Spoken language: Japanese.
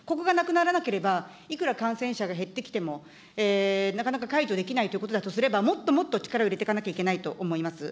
ここがなくならなければ、いくら感染者が減ってきても、なかなか解除できないということだとすれば、もっともっと力を入れていかなきゃいけないと思います。